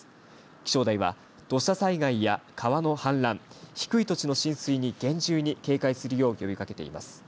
気象台は土砂災害や川の氾濫低い土地の浸水に厳重に警戒するよう呼びかけています。